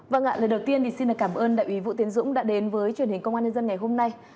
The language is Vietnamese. vâng ạ lời đầu tiên thì xin cảm ơn đại úy vũ tiến dũng đã đến với truyền hình công an nhân dân ngày hôm nay